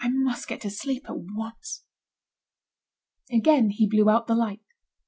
I must get to sleep at once." Again he blew out the light.